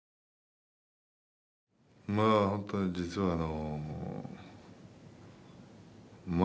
まあ本当に実はあの。